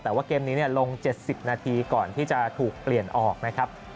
แต่ว่าเกมนี้ลง๗๐นาทีก่อนที่จะถูกเปลี่ยนออกนะครับ